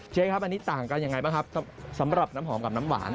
เชฟครับอันนี้ต่างกันยังไงบ้างครับสำหรับน้ำหอมกับน้ำหวาน